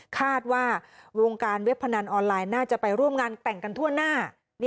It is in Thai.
คาดว่าวงการเว็บพนันออนไลน์น่าจะไปร่วมงานแต่งกันทั่วหน้า